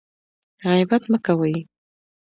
غیبت مه کوئ